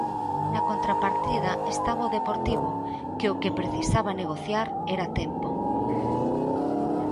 Na contrapartida estaba o Deportivo, que o que precisaba negociar era tempo.